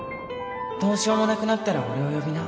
どうしようもなくなったら俺を呼びな